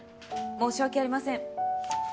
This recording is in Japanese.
申し訳ありません！